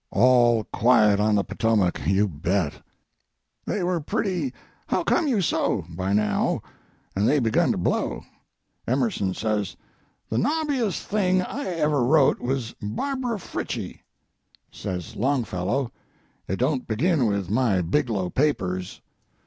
All quiet on the Potomac, you bet! "They were pretty how come you so by now, and they begun to blow. Emerson says, 'The nobbiest thing I ever wrote was "Barbara Frietchie."' Says Longfellow, 'It don't begin with my "Biglow Papers."'